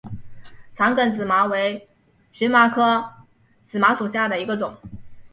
长梗紫麻为荨麻科紫麻属下的一个种。